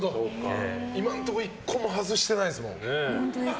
今のところ１個も外してないですもんね。